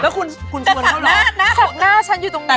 แล้วคุณคุณชวนเขาเหรอสักหน้าสักหน้าฉันอยู่ตรงนี้